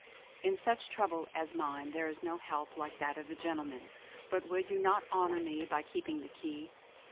"In such trouble as mine, there is no help like that of a gentleman. But will you not honour me by keeping the key?